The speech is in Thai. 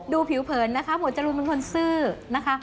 ดูผิวเพลินนะคะหมวดจรูนเป็นคนซื่อ